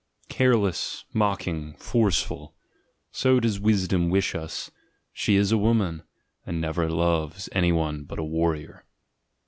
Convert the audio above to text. "Careless, mocking, forceful — so does wisdom wish us: she is a woman, and never loves any one but a warrior."